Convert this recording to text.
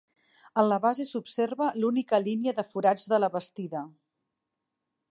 En la base s'observa l'única línia de forats de la bastida.